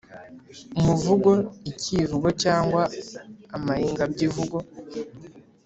Umuvugo, ikivugo cyangwa amayingabyivugo